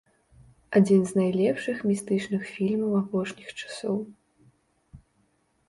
Адзін з найлепшых містычных фільмаў апошніх часоў.